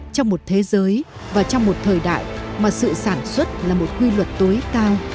trong một thế giới và trong một thời đại mà sự sản xuất là một quy luật tối cao